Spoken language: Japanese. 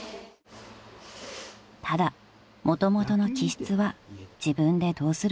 ［ただもともとの気質は自分でどうすることもできません］